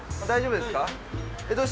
大丈夫ですよ。